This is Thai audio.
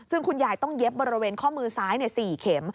ซึ่งคุณยายต้องเย็บบริเวณข้อมือซ้าย๔เข็ม